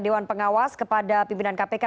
dewan pengawas kepada pimpinan kpk